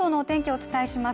お伝えします